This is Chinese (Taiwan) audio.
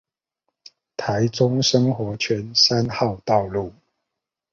台中生活圈三號道路